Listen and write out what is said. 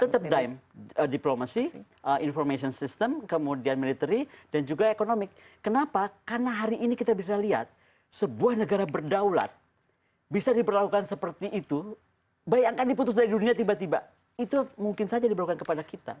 tetap diame diplomacy information system kemudian military dan juga ekonomi kenapa karena hari ini kita bisa lihat sebuah negara berdaulat bisa diperlakukan seperti itu bayangkan diputus dari dunia tiba tiba itu mungkin saja diperlukan kepada kita